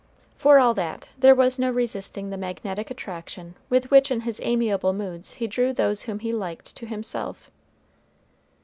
For all that, there was no resisting the magnetic attraction with which in his amiable moods he drew those whom he liked to himself.